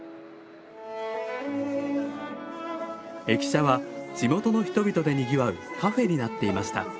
駅舎は地元の人々でにぎわうカフェになっていました。